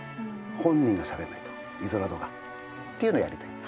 本人がしゃべんないとイゾラドが。っていうのをやりたい。